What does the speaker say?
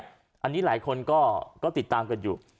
อันนี้หลายคนก็ติดตามกันอยู่